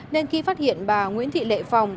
nên khi phát hiện bà nguyễn thị lệ phòng